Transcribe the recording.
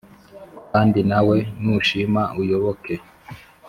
Kandi nawe nushima uyoboke